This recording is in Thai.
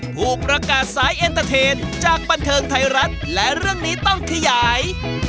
ผู้ประกาศสายเอ็นเตอร์เทนจากบันเทิงไทยรัฐและเรื่องนี้ต้องขยาย